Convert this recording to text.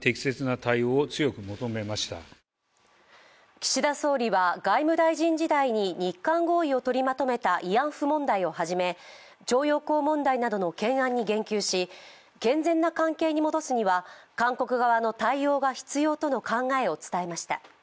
岸田総理は外務大臣時代に日韓合意を取りまとめた慰安婦問題をはじめ徴用工問題などの懸案に言及し健全な関係に戻すには韓国側の対応が必要との考えを伝えました。